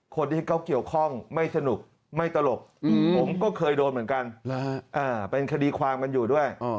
คนที่เขาเกี่ยวข้องไม่สนุกไม่ตลกผมก็เคยโดนเหมือนกันเป็นคดีความกันอยู่ด้วย